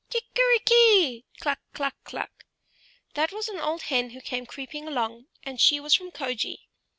"Kickery ki! kluk! kluk! kluk!" that was an old hen who came creeping along, and she was from Kjoge.